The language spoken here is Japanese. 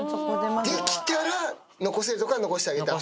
できたら残せるとこは残してあげたほうが。